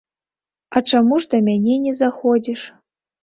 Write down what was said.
А чаму ж да мяне не заходзіш?